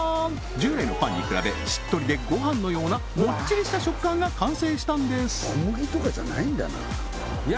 従来のパンに比べしっとりでごはんのようなもっちりした食感が完成したんですいや